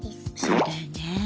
そうだよね。